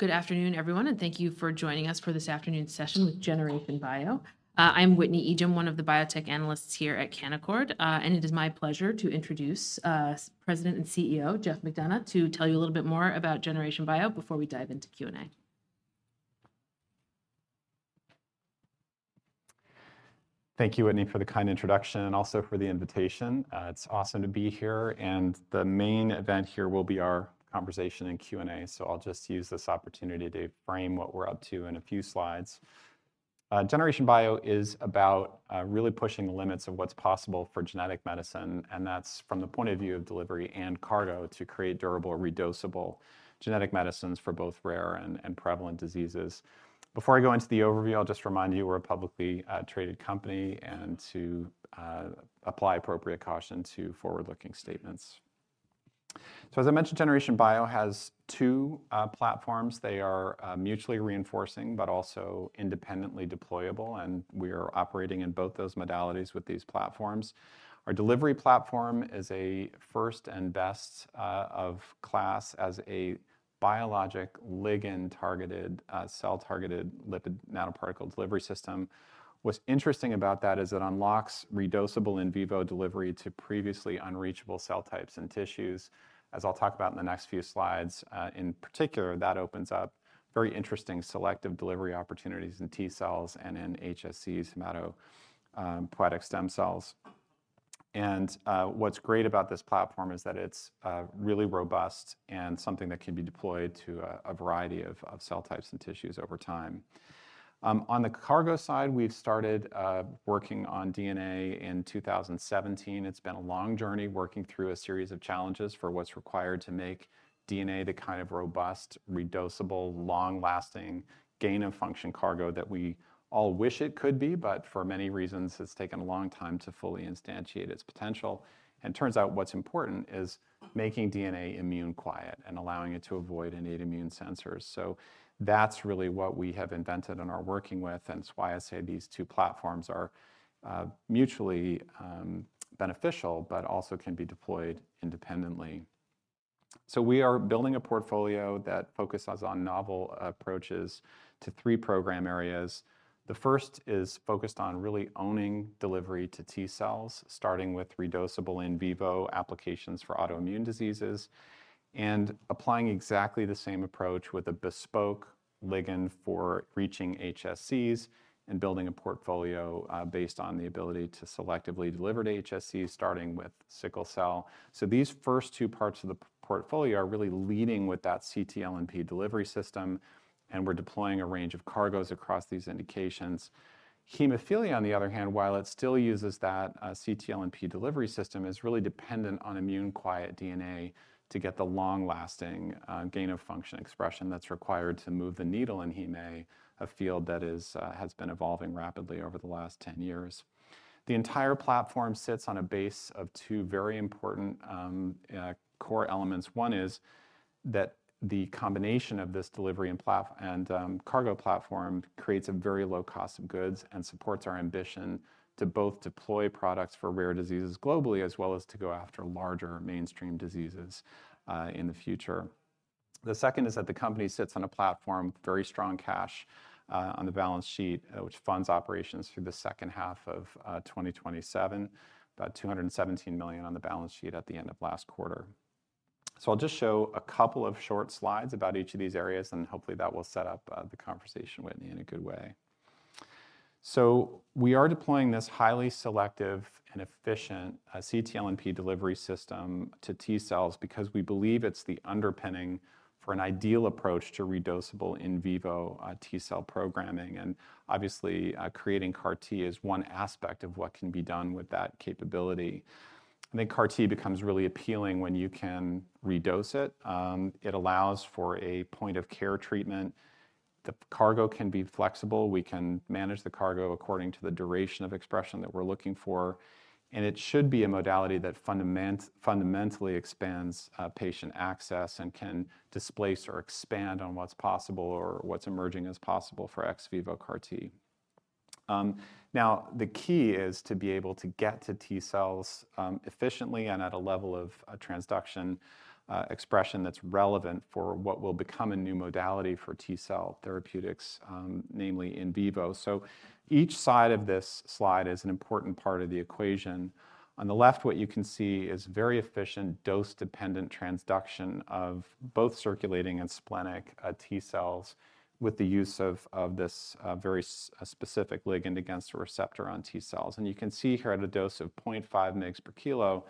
Good afternoon, everyone, and thank you for joining us for this afternoon's session with Generation Bio. I'm Whitney Ijem, one of the biotech analysts here at Canaccord. It is my pleasure to introduce President and CEO Geoff McDonough to tell you a little bit more about Generation Bio before we dive into Q&A. Thank you, Whitney, for the kind introduction and also for the invitation. It's awesome to be here, and the main event here will be our conversation and Q&A, so I'll just use this opportunity to frame what we're up to in a few slides. Generation Bio is about really pushing the limits of what's possible for genetic medicine, and that's from the point of view of delivery and cargo to create durable, redosable genetic medicines for both rare and prevalent diseases. Before I go into the overview, I'll just remind you, we're a publicly traded company, and to apply appropriate caution to forward-looking statements. So as I mentioned, Generation Bio has two platforms. They are mutually reinforcing, but also independently deployable, and we are operating in both those modalities with these platforms. Our delivery platform is a first and best of class as a biologic ligand-targeted cell-targeted lipid nanoparticle delivery system. What's interesting about that is it unlocks redosable in vivo delivery to previously unreachable cell types and tissues. As I'll talk about in the next few slides, in particular, that opens up very interesting selective delivery opportunities in T cells and in HSCs, hematopoietic stem cells. And what's great about this platform is that it's really robust and something that can be deployed to a variety of cell types and tissues over time. On the cargo side, we've started working on DNA in 2017. It's been a long journey, working through a series of challenges for what's required to make DNA the kind of robust, redosable, long-lasting gain-of-function cargo that we all wish it could be, but for many reasons, it's taken a long time to fully instantiate its potential. Turns out what's important is making DNA immune quiet and allowing it to avoid innate immune sensors. So that's really what we have invented and are working with, and it's why I say these two platforms are, mutually, beneficial, but also can be deployed independently. So we are building a portfolio that focuses on novel approaches to three program areas. The first is focused on really owning delivery to T cells, starting with redosable in vivo applications for autoimmune diseases, and applying exactly the same approach with a bespoke ligand for reaching HSCs and building a portfolio based on the ability to selectively deliver to HSCs, starting with sickle cell. So these first two parts of the portfolio are really leading with that ctLNP delivery system, and we're deploying a range of cargoes across these indications. Hemophilia, on the other hand, while it still uses that ctLNP delivery system, is really dependent on immune quiet DNA to get the long-lasting gain-of-function expression that's required to move the needle in heme, a field that is has been evolving rapidly over the last 10 years. The entire platform sits on a base of two very important core elements. One is that the combination of this delivery and platform and cargo platform creates a very low cost of goods and supports our ambition to both deploy products for rare diseases globally, as well as to go after larger mainstream diseases in the future. The second is that the company sits on a platform with very strong cash on the balance sheet, which funds operations through the second half of 2027, about $217 million on the balance sheet at the end of last quarter. So I'll just show a couple of short slides about each of these areas, and hopefully that will set up the conversation, Whitney, in a good way. We are deploying this highly selective and efficient ctLNP delivery system to T cells because we believe it's the underpinning for an ideal approach to redosable in vivo T cell programming, and obviously, creating CAR T is one aspect of what can be done with that capability. I think CAR T becomes really appealing when you can redose it. It allows for a point-of-care treatment. The cargo can be flexible. We can manage the cargo according to the duration of expression that we're looking for, and it should be a modality that fundamentally expands patient access and can displace or expand on what's possible or what's emerging as possible for ex vivo CAR T. Now, the key is to be able to get to T cells efficiently and at a level of transduction expression that's relevant for what will become a new modality for T cell therapeutics, namely in vivo. So each side of this slide is an important part of the equation. On the left, what you can see is very efficient dose-dependent transduction of both circulating and splenic T cells with the use of this very specific ligand against a receptor on T cells. And you can see here at a dose of 0.5 mg per kg,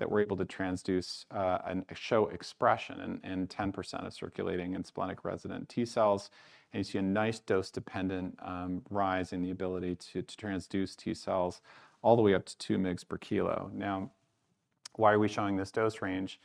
that we're able to transduce and show expression in 10% of circulating and splenic-resident T cells. And you see a nice dose-dependent rise in the ability to transduce T cells all the way up to 2 mg per kg. Now, why are we showing this dose range?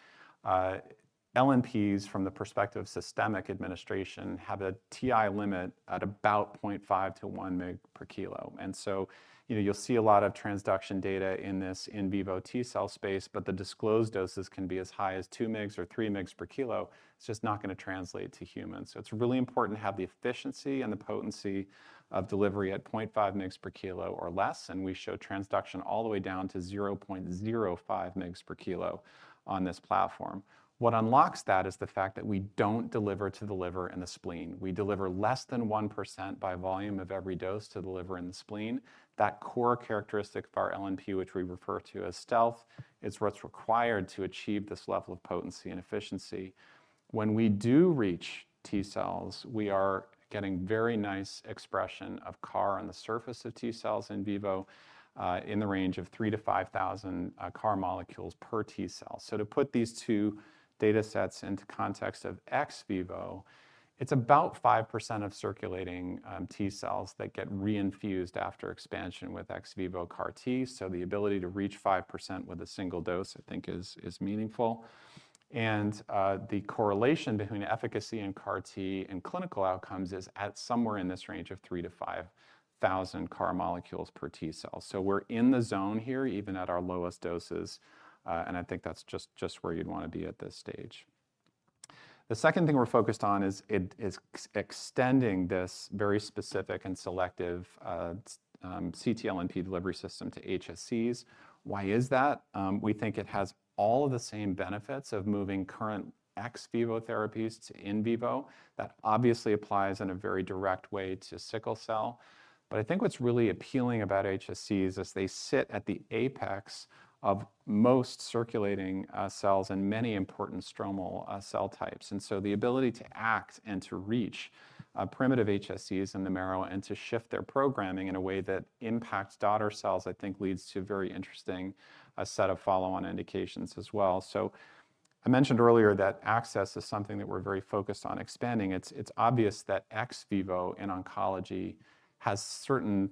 LNPs from the perspective of systemic administration, have a TI limit at about 0.5-1 mg/kg. And so, you know, you'll see a lot of transduction data in this in vivo T cell space, but the disclosed doses can be as high as 2 mg or 3 mg/kg. It's just not gonna translate to humans. So it's really important to have the efficiency and the potency of delivery at 0.5 mg/kg or less, and we show transduction all the way down to 0.05 mg/kg on this platform. What unlocks that is the fact that we don't deliver to the liver and the spleen. We deliver less than 1% by volume of every dose to the liver and the spleen. That core characteristic of our LNP, which we refer to as Stealth, it's what's required to achieve this level of potency and efficiency. When we do reach T cells, we are getting very nice expression of CAR on the surface of T cells in vivo, in the range of 3,000-5,000 CAR molecules per T cell. So to put these two datasets into context of ex vivo, it's about 5% of circulating T cells that get reinfused after expansion with ex vivo CAR T. So the ability to reach 5% with a single dose, I think is, is meaningful. And, the correlation between efficacy and CAR T and clinical outcomes is at somewhere in this range of 3,000-5,000 CAR molecules per T cell. So we're in the zone here, even at our lowest doses, and I think that's just where you'd wanna be at this stage. The second thing we're focused on is extending this very specific and selective ctLNP delivery system to HSCs. Why is that? We think it has all of the same benefits of moving current ex vivo therapies to in vivo. That obviously applies in a very direct way to sickle cell. But I think what's really appealing about HSCs is they sit at the apex of most circulating cells and many important stromal cell types. And so the ability to act and to reach primitive HSCs in the marrow and to shift their programming in a way that impacts daughter cells, I think leads to a very interesting set of follow-on indications as well. So I mentioned earlier that access is something that we're very focused on expanding. It's obvious that ex vivo in oncology has certain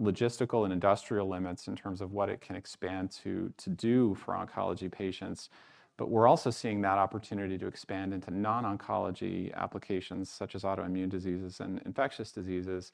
logistical and industrial limits in terms of what it can expand to, to do for oncology patients. But we're also seeing that opportunity to expand into non-oncology applications, such as autoimmune diseases and infectious diseases.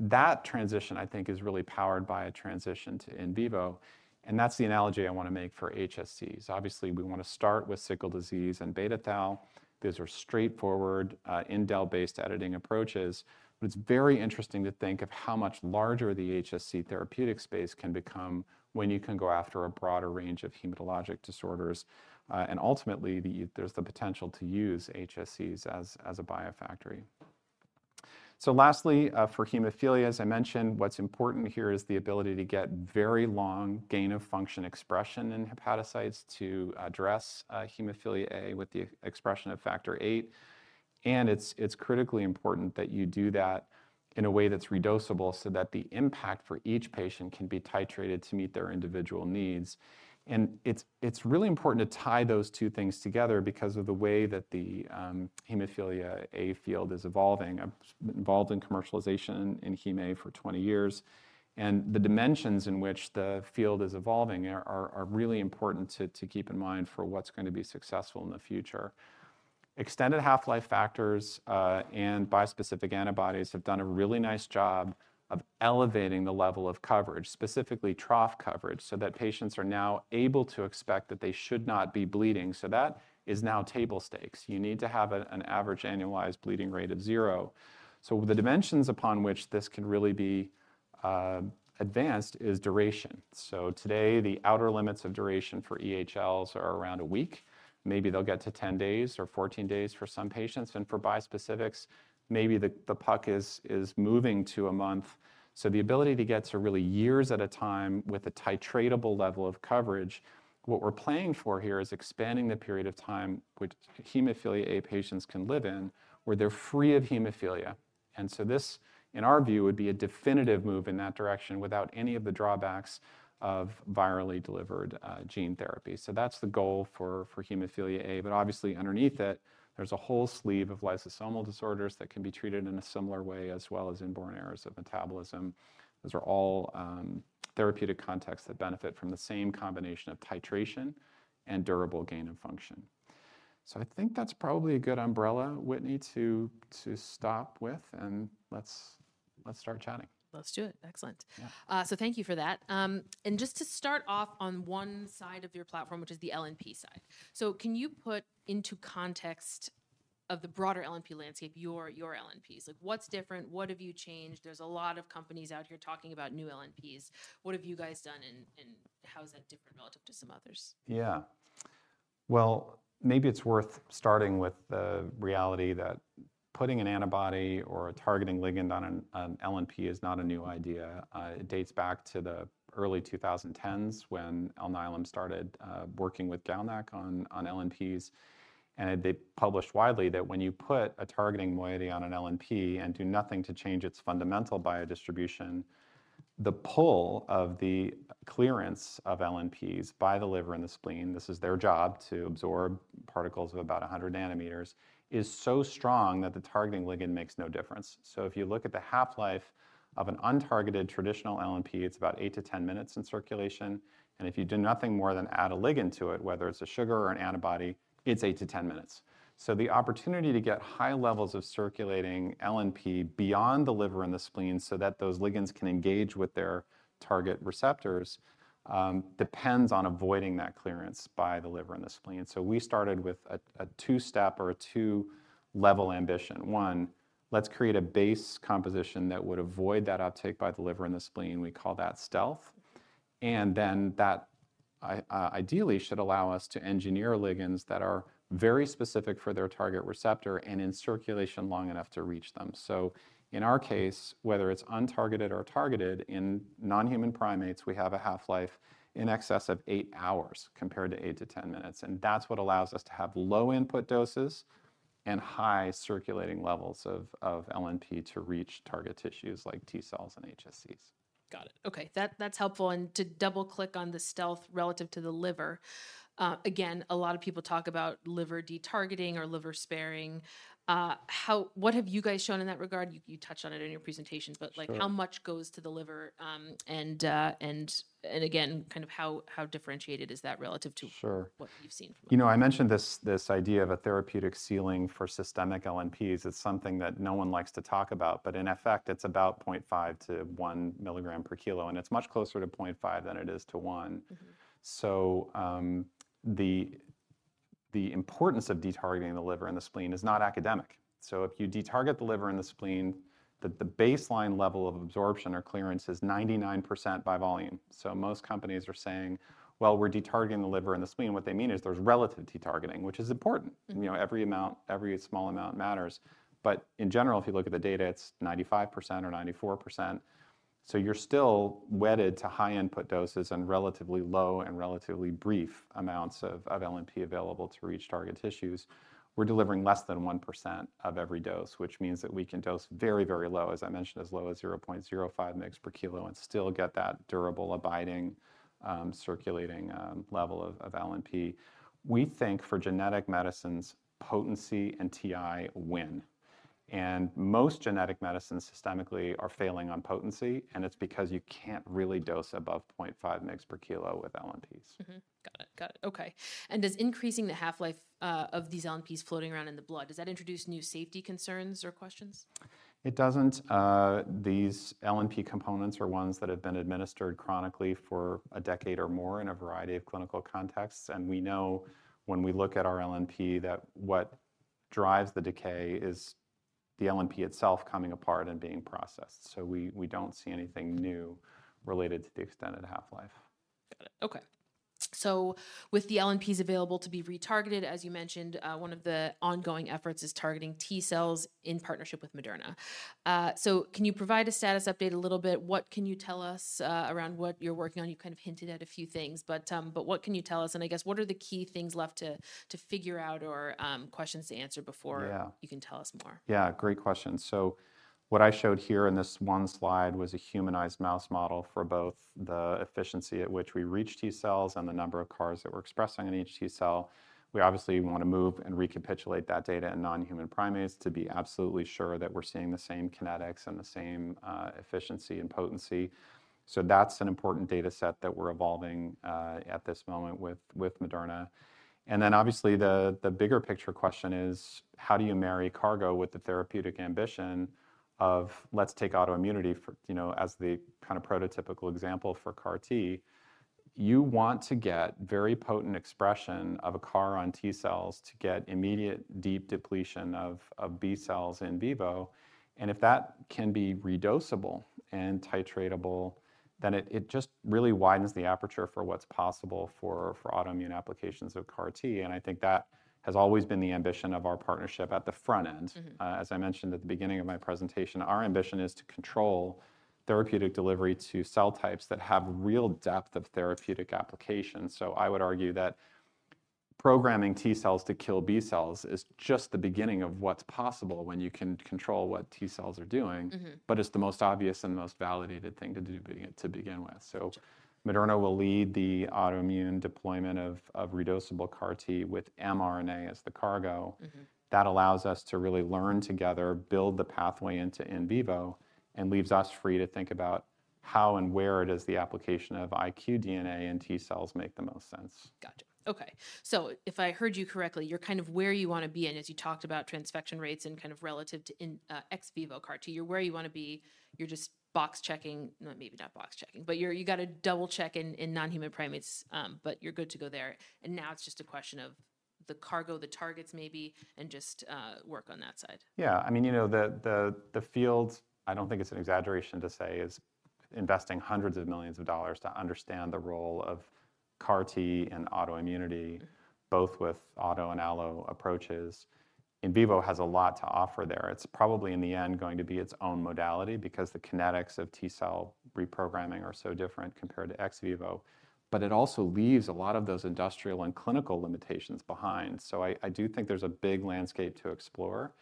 That transition, I think, is really powered by a transition to in vivo, and that's the analogy I wanna make for HSCs. Obviously, we wanna start with sickle disease and beta thal. Those are straightforward, indel-based editing approaches, but it's very interesting to think of how much larger the HSC therapeutic space can become when you can go after a broader range of hematologic disorders. And ultimately, there's the potential to use HSCs as a biofactory. So lastly, for hemophilia, as I mentioned, what's important here is the ability to get very long gain-of-function expression in hepatocytes to address, hemophilia A with the expression of factor VIII. And it's critically important that you do that in a way that's redosable, so that the impact for each patient can be titrated to meet their individual needs. And it's really important to tie those two things together because of the way that the hemophilia A field is evolving. I've been involved in commercialization in heme for 20 years, and the dimensions in which the field is evolving are really important to keep in mind for what's gonna be successful in the future. Extended half-life factors and bispecific antibodies have done a really nice job of elevating the level of coverage, specifically trough coverage, so that patients are now able to expect that they should not be bleeding. So that is now table stakes. You need to have an average annualized bleeding rate of 0. So the dimensions upon which this can really be advanced is duration. So today, the outer limits of duration for EHLs are around a week. Maybe they'll get to 10 days or 14 days for some patients, and for bispecifics, maybe the puck is moving to a month. So the ability to get to really years at a time with a titratable level of coverage, what we're playing for here is expanding the period of time which hemophilia A patients can live in, where they're free of hemophilia. And so this, in our view, would be a definitive move in that direction without any of the drawbacks of virally delivered gene therapy. So that's the goal for Hemophilia A, but obviously underneath it, there's a whole slew of lysosomal disorders that can be treated in a similar way, as well as inborn errors of metabolism. Those are all therapeutic contexts that benefit from the same combination of titration and durable gain of function. So I think that's probably a good umbrella, Whitney, to stop with, and let's start chatting. Let's do it. Excellent. Yeah. So thank you for that. And just to start off on one side of your platform, which is the LNP side. So can you put into context of the broader LNP landscape, your LNPs? Like, what's different? What have you changed? There's a lot of companies out here talking about new LNPs. What have you guys done, and how is that different relative to some others? Yeah. Well, maybe it's worth starting with the reality that putting an antibody or a targeting ligand on an LNP is not a new idea. It dates back to the early 2010s, when Alnylam started working with GalNAc on LNPs. And they published widely that when you put a targeting moiety on an LNP and do nothing to change its fundamental biodistribution, the pull of the clearance of LNPs by the liver and the spleen, this is their job, to absorb particles of about 100 nanometers, is so strong that the targeting ligand makes no difference. So if you look at the half-life of an untargeted traditional LNP, it's about 8-10 minutes in circulation, and if you do nothing more than add a ligand to it, whether it's a sugar or an antibody, it's 8-10 minutes. So the opportunity to get high levels of circulating LNP beyond the liver and the spleen so that those ligands can engage with their target receptors, depends on avoiding that clearance by the liver and the spleen. So we started with a two-step or a two-level ambition. One, let's create a base composition that would avoid that uptake by the liver and the spleen. We call that stealth. And then that ideally should allow us to engineer ligands that are very specific for their target receptor and in circulation long enough to reach them. So in our case, whether it's untargeted or targeted, in non-human primates, we have a half-life in excess of 8 hours, compared to 8-10 minutes, and that's what allows us to have low input doses and high circulating levels of LNP to reach target tissues like T cells and HSCs. Got it. Okay, that's helpful, and to double-click on the stealth relative to the liver, again, a lot of people talk about liver de-targeting or liver sparing. What have you guys shown in that regard? You touched on it in your presentations. Sure. But, like, how much goes to the liver, and again, kind of how differentiated is that relative to- Sure... what you've seen? You know, I mentioned this, this idea of a therapeutic ceiling for systemic LNPs as something that no one likes to talk about, but in effect, it's about 0.5-1 milligram per kilo, and it's much closer to 0.5 than it is to 1. Mm-hmm. So, the importance of de-targeting the liver and the spleen is not academic. So if you de-target the liver and the spleen, the baseline level of absorption or clearance is 99% by volume. So most companies are saying, "Well, we're de-targeting the liver and the spleen." What they mean is there's relative de-targeting, which is important. Mm-hmm. You know, every amount, every small amount matters, but in general, if you look at the data, it's 95% or 94%. So you're still wedded to high input doses and relatively low and relatively brief amounts of LNP available to reach target tissues. We're delivering less than 1% of every dose, which means that we can dose very, very low, as I mentioned, as low as 0.05 mg/kg and still get that durable, abiding, circulating level of LNP. We think for genetic medicines, potency and TI win, and most genetic medicines systemically are failing on potency, and it's because you can't really dose above 0.5 mg/kg with LNPs. Mm-hmm. Got it, got it. Okay, and does increasing the half-life of these LNPs floating around in the blood, does that introduce new safety concerns or questions? It doesn't. These LNP components are ones that have been administered chronically for a decade or more in a variety of clinical contexts, and we know when we look at our LNP that what drives the decay is the LNP itself coming apart and being processed. So we don't see anything new related to the extended half-life. Got it. Okay. So with the LNPs available to be retargeted, as you mentioned, one of the ongoing efforts is targeting T cells in partnership with Moderna. So can you provide a status update a little bit? What can you tell us around what you're working on? You kind of hinted at a few things, but, but what can you tell us, and I guess what are the key things left to, to figure out or, questions to answer before- Yeah... you can tell us more? Yeah, great question. So what I showed here in this one slide was a humanized mouse model for both the efficiency at which we reach T cells and the number of CARs that we're expressing in each T cell. We obviously wanna move and recapitulate that data in non-human primates to be absolutely sure that we're seeing the same kinetics and the same efficiency and potency. So that's an important data set that we're evolving at this moment with Moderna. And then obviously, the bigger picture question is: How do you marry cargo with the therapeutic ambition of let's take autoimmunity for, you know, as the kind of prototypical example for CAR T? You want to get very potent expression of a CAR on T cells to get immediate deep depletion of B cells in vivo, and if that can be redosable and titratable, then it just really widens the aperture for what's possible for autoimmune applications of CAR T, and I think that has always been the ambition of our partnership at the front end. Mm-hmm. As I mentioned at the beginning of my presentation, our ambition is to control therapeutic delivery to cell types that have real depth of therapeutic application. So I would argue that programming T cells to kill B cells is just the beginning of what's possible when you can control what T cells are doing. Mm-hmm. But it's the most obvious and the most validated thing to do to begin with. Sure. Moderna will lead the autoimmune deployment of redosable CAR T with mRNA as the cargo. Mm-hmm. That allows us to really learn together, build the pathway into in vivo, and leaves us free to think about how and where does the application of iqDNA and T cells make the most sense. Gotcha. Okay, so if I heard you correctly, you're kind of where you wanna be, and as you talked about transfection rates and kind of relative to in ex vivo CAR T, you're where you wanna be. You're just box checking... Maybe not box checking, but you're- you gotta double-check in non-human primates, but you're good to go there, and now it's just a question of the cargo, the targets maybe, and just work on that side. Yeah. I mean, you know, the field, I don't think it's an exaggeration to say, is investing $hundreds of millions to understand the role of CAR T in autoimmunity... both with auto and allo approaches. In vivo has a lot to offer there. It's probably, in the end, going to be its own modality because the kinetics of T cell reprogramming are so different compared to ex vivo, but it also leaves a lot of those industrial and clinical limitations behind. So I do think there's a big landscape to explore,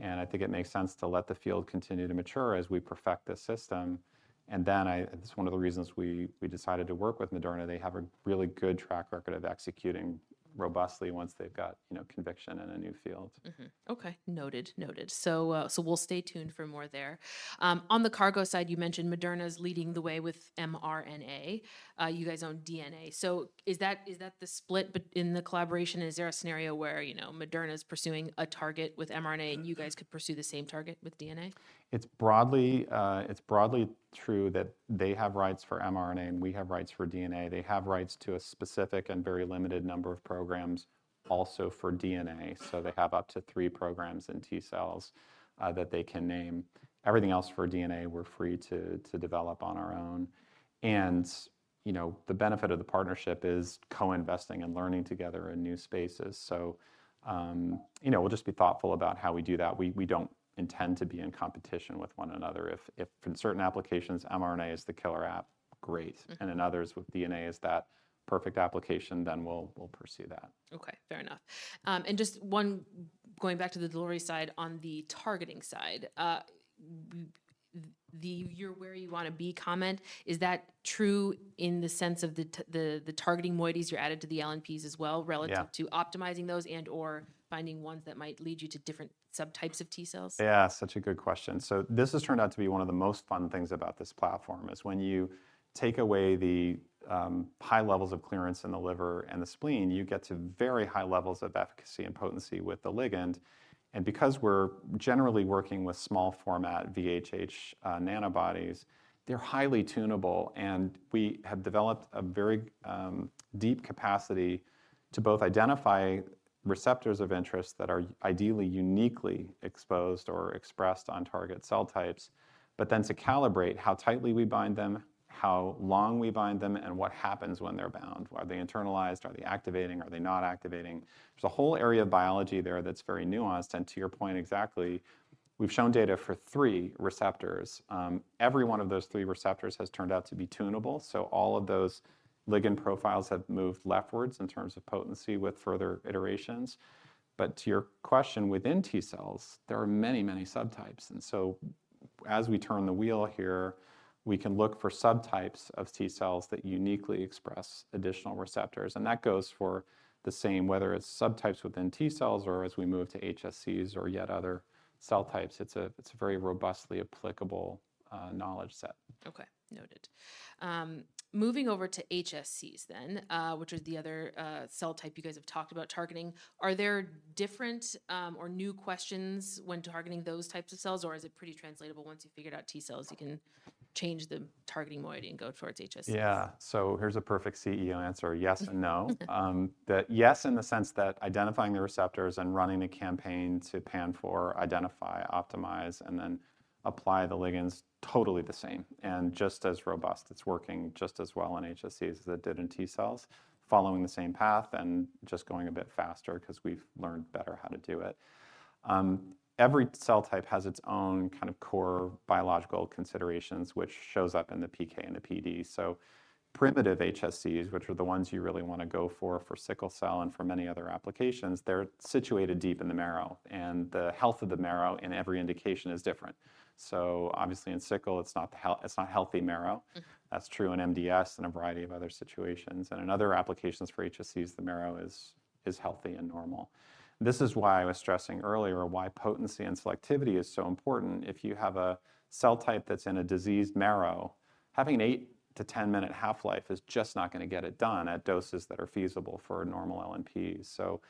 and I think it makes sense to let the field continue to mature as we perfect the system, and then it's one of the reasons we decided to work with Moderna. They have a really good track record of executing robustly once they've got, you know, conviction in a new field. Mm-hmm. Okay, noted. Noted. So, we'll stay tuned for more there. On the cargo side, you mentioned Moderna is leading the way with mRNA. You guys own DNA, so is that, is that the split between in the collaboration? Is there a scenario where, you know, Moderna's pursuing a target with mRNA, and you guys could pursue the same target with DNA? It's broadly, it's broadly true that they have rights for mRNA, and we have rights for DNA. They have rights to a specific and very limited number of programs, also for DNA, so they have up to three programs in T cells, that they can name. Everything else for DNA, we're free to, to develop on our own. And, you know, the benefit of the partnership is co-investing and learning together in new spaces. So, you know, we'll just be thoughtful about how we do that. We, we don't intend to be in competition with one another. If, if for certain applications, mRNA is the killer app, great. Mm-hmm. In others with DNA is that perfect application, then we'll, we'll pursue that. Okay, fair enough. And just one... Going back to the delivery side, on the targeting side, the "you're where you wanna be" comment, is that true in the sense of the targeting moieties you added to the LNPs as well? Yeah... relative to optimizing those and/or finding ones that might lead you to different subtypes of T cells? Yeah, such a good question. So this has turned out to be one of the most fun things about this platform, is when you take away the high levels of clearance in the liver and the spleen, you get to very high levels of efficacy and potency with the ligand, and because we're generally working with small format VHH nanobodies, they're highly tunable, and we have developed a very deep capacity to both identify receptors of interest that are ideally uniquely exposed or expressed on target cell types, but then to calibrate how tightly we bind them, how long we bind them, and what happens when they're bound. Are they internalized? Are they activating? Are they not activating? There's a whole area of biology there that's very nuanced, and to your point exactly, we've shown data for three receptors. Every one of those three receptors has turned out to be tunable, so all of those ligand profiles have moved leftwards in terms of potency with further iterations. But to your question, within T cells, there are many, many subtypes, and so as we turn the wheel here, we can look for subtypes of T cells that uniquely express additional receptors, and that goes for the same, whether it's subtypes within T cells or as we move to HSCs or yet other cell types. It's a very robustly applicable knowledge set. Okay. Noted. Moving over to HSCs then, which is the other cell type you guys have talked about targeting, are there different or new questions when targeting those types of cells, or is it pretty translatable once you've figured out T cells, you can change the targeting moiety and go towards HSCs? Yeah. So here's a perfect CEO answer: yes and no. That yes, in the sense that identifying the receptors and running a campaign to pan for, identify, optimize, and then apply the ligands, totally the same and just as robust. It's working just as well on HSCs as it did in T cells, following the same path and just going a bit faster 'cause we've learned better how to do it. Every cell type has its own kind of core biological considerations, which shows up in the PK and the PD. So primitive HSCs, which are the ones you really wanna go for, for sickle cell and for many other applications, they're situated deep in the marrow, and the health of the marrow in every indication is different. So obviously, in sickle, it's not healthy marrow. Mm. That's true in MDS and a variety of other situations, and in other applications for HSCs, the marrow is healthy and normal. This is why I was stressing earlier why potency and selectivity is so important. If you have a cell type that's in a diseased marrow, having an 8-10-minute half-life is just not gonna get it done at doses that are feasible for normal LNPs. So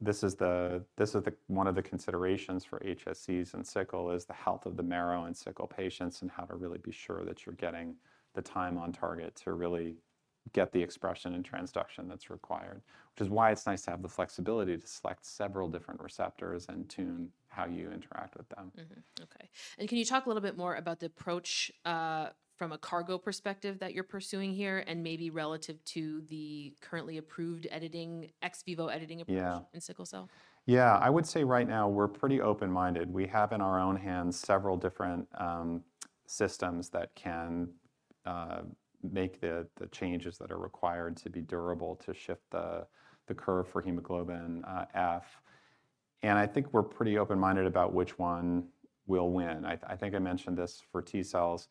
this is one of the considerations for HSCs in sickle is the health of the marrow in sickle patients and how to really be sure that you're getting the time on target to really get the expression and transduction that's required, which is why it's nice to have the flexibility to select several different receptors and tune how you interact with them. Mm-hmm. Okay, and can you talk a little bit more about the approach, from a cargo perspective that you're pursuing here, and maybe relative to the currently approved editing, ex vivo editing approach? Yeah... in sickle cell? Yeah. I would say right now we're pretty open-minded. We have in our own hands several different systems that can make the changes that are required to be durable to shift the curve for hemoglobin F, and I think we're pretty open-minded about which one will win. I think I mentioned this for T cells.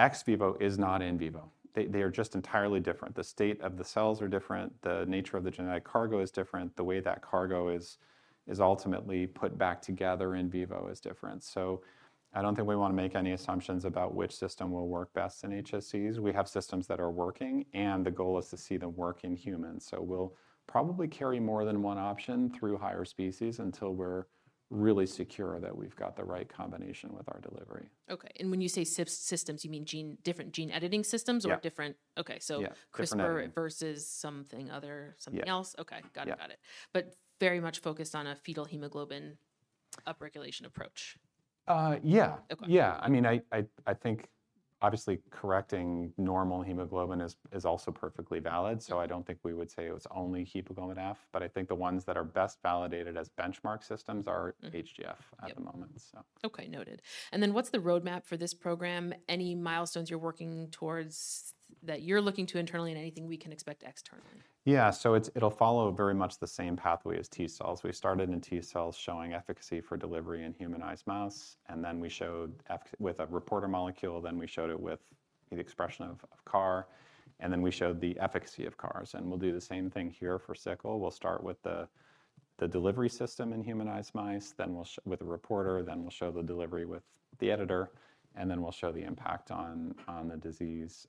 Ex vivo is not in vivo. They are just entirely different. The state of the cells are different, the nature of the genetic cargo is different, the way that cargo is ultimately put back together in vivo is different. So I don't think we wanna make any assumptions about which system will work best in HSCs. We have systems that are working, and the goal is to see them work in humans. We'll probably carry more than one option through higher species until we're really secure that we've got the right combination with our delivery. Okay, and when you say systems, you mean different gene editing systems? Yeah... or different. Okay, so - Yeah, different editing. CRISPR versus something other- Yeah... something else? Yeah. Okay, got it. Yeah. Got it. But very much focused on a fetal hemoglobin target?... upregulation approach? Uh, yeah. Okay. Yeah, I mean, I think obviously correcting normal hemoglobin is also perfectly valid, so I don't think we would say it was only hemoglobin F. But I think the ones that are best validated as benchmark systems are- Mm... HbF at the moment, so. Okay, noted. And then what's the roadmap for this program? Any milestones you're working towards that you're looking to internally, and anything we can expect externally? Yeah, so it'll follow very much the same pathway as T cells. We started in T cells showing efficacy for delivery in humanized mouse, and then we showed with a reporter molecule, then we showed it with the expression of CAR, and then we showed the efficacy of CARs. And we'll do the same thing here for sickle. We'll start with the delivery system in humanized mice, then we'll show with a reporter, then we'll show the delivery with the editor, and then we'll show the impact on the disease,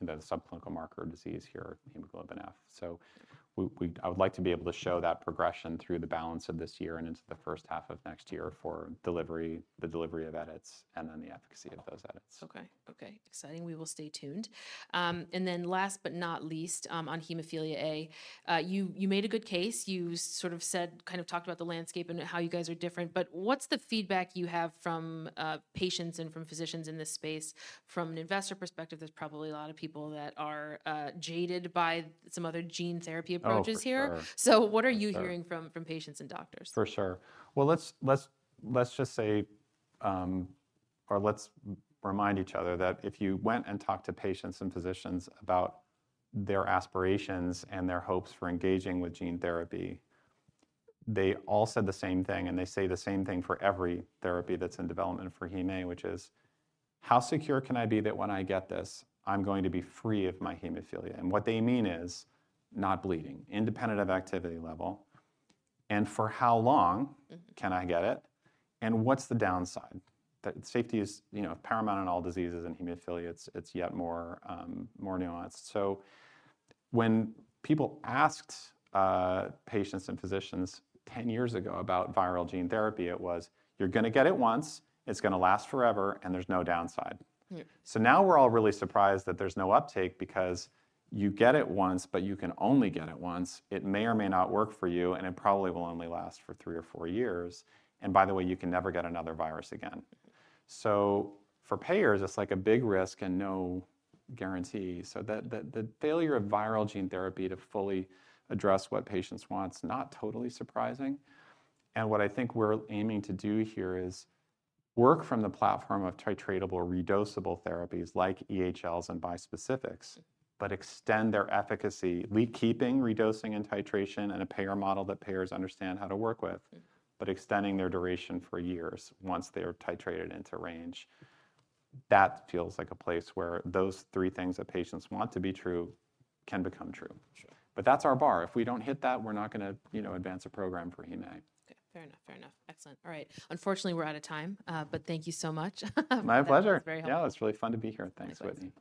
the subclinical marker disease here, hemoglobin F. So I would like to be able to show that progression through the balance of this year and into the first half of next year for delivery, the delivery of edits, and then the efficacy of those edits. Okay. Okay, exciting. We will stay tuned. And then last but not least, on hemophilia A, you, you made a good case. You sort of said, kind of talked about the landscape and how you guys are different, but what's the feedback you have from patients and from physicians in this space? From an investor perspective, there's probably a lot of people that are jaded by some other gene therapy approaches here. Oh, for sure. So what are you- For sure... hearing from patients and doctors? For sure. Well, let's just say, or let's remind each other that if you went and talked to patients and physicians about their aspirations and their hopes for engaging with gene therapy, they all said the same thing, and they say the same thing for every therapy that's in development for hem A, which is: "How secure can I be that when I get this, I'm going to be free of my hemophilia?" And what they mean is not bleeding, independent of activity level. "And for how long- Mm... can I get it, and what's the downside?" That safety is, you know, paramount in all diseases, in hemophilia, it's yet more, more nuanced. So when people asked, patients and physicians 10 years ago about viral gene therapy, it was, "You're gonna get it once, it's gonna last forever, and there's no downside. Yeah. So now we're all really surprised that there's no uptake because you get it once, but you can only get it once. It may or may not work for you, and it probably will only last for three or four years, and by the way, you can never get another virus again. So for payers, it's like a big risk and no guarantee. So the failure of viral gene therapy to fully address what patients want is not totally surprising, and what I think we're aiming to do here is work from the platform of titratable, redosable therapies like EHLs and bispecifics, but extend their efficacy. We're keeping redosing and titration and a payer model that payers understand how to work with- Yeah... but extending their duration for years once they are titrated into range. That feels like a place where those three things that patients want to be true can become true. Sure. But that's our bar. If we don't hit that, we're not gonna, you know, advance a program for Hem A. Okay, fair enough. Fair enough. Excellent. All right. Unfortunately, we're out of time, but thank you so much. My pleasure. That was very helpful. Yeah, it's really fun to be here. Thanks, Whitney.